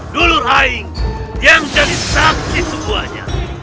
dulu raing yang jadi saksi sebuahnya